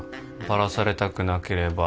「バラされたくなければ」